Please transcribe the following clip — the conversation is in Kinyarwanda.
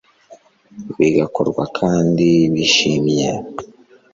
bigakorwa kandi bishimye